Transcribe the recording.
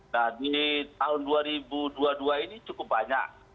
nah di tahun dua ribu dua puluh dua ini cukup banyak